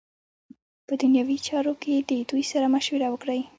په دنیوی چارو کی ددوی سره مشوره وکړی .